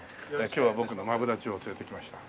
今日は僕のマブダチを連れてきました。